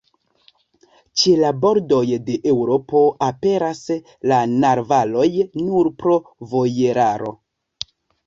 Ĉe la bordoj de Eŭropo aperas la narvaloj nur pro vojeraro.